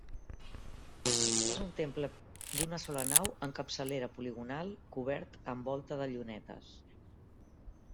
És un temple d'una sola nau amb capçalera poligonal, cobert amb volta de llunetes.